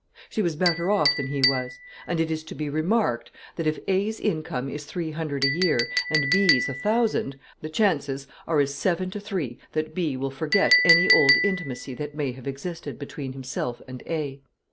She was better off than he was; and it is to be remarked, that if A's income is three hundred a year, and B's a thousand, the chances are as seven to three that B will forget any old intimacy that may have existed between himself and A.